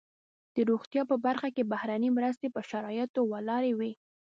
د روغتیا په برخه کې بهرنۍ مرستې پر شرایطو ولاړې وي.